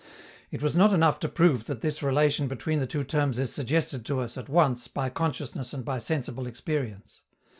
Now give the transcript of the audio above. It was not enough to prove that this relation between the two terms is suggested to us, at once, by consciousness and by sensible experience.